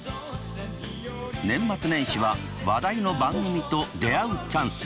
年末年始は話題の番組と出会うチャンス！